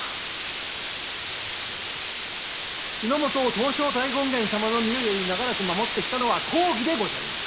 日の本を東照大権現様の御代より長らく守ってきたのは公儀でございます。